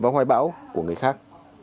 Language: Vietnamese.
hoài bão của người khác